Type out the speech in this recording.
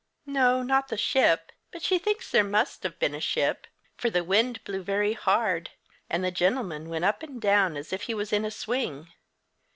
"No, not the ship; but she thinks there must have been a ship, for the wind blew very hard, and the gentleman went up and down as if he was in a swing.